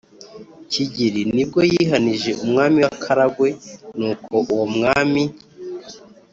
kigeri ni bwo yihanije umwami w' akaragwe, nuko uwo mwami